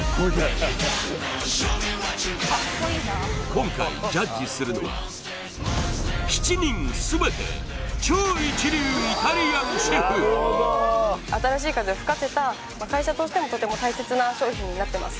今回７人全て新しい風を吹かせた会社としてもとても大切な商品になってます